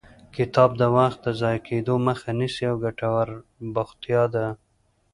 کتاب د وخت د ضایع کېدو مخه نیسي او ګټور بوختیا ده.